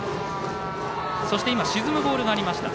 そして沈むボールがありました。